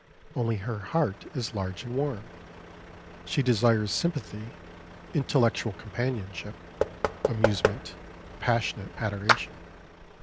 Only her heart is large and warm; she desires sympathy, intellectual companionship, amusement, passionate adoration.